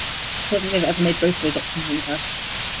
I don't think they've ever made both of those options on the test.